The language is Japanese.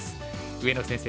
上野先生